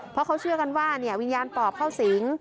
เพราะเขาเชื่อกันว่าวิญญาณปอบเข้าสิง